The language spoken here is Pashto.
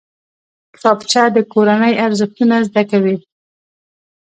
کتابچه د کورنۍ ارزښتونه زده کوي